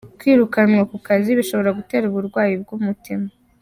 Kwirukanwa ku kazi bishobora gutera uburwayi bw’umutima